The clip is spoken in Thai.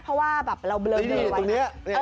เพราะว่าเราเบลอเบลอไว้